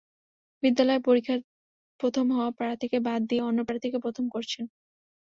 বিদ্যালয়ে পরীক্ষায় প্রথম হওয়া প্রার্থীকে বাদ দিয়ে অন্য প্রার্থীকে প্রথম করেছেন।